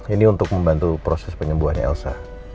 ini untuk membantu proses penyembuhannya elsa